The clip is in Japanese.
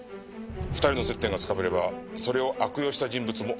２人の接点がつかめればそれを悪用した人物も絞れるはずだ。